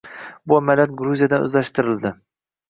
Bu amaliyot Gruziyadan oʻzlashtirildi.